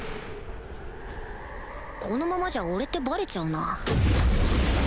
このままじゃ俺ってバレちゃうな。